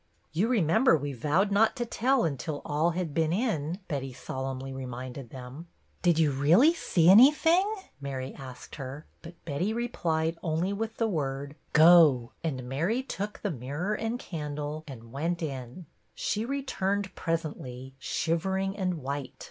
"You remember we vowed not to tell until all had been in," Betty solemnly reminded them. " Did you really see anything ?" Mary asked her, but Betty replied only with the word, " Go," and Mary took the mirror and candle and went in. She returned presently, shivering and white.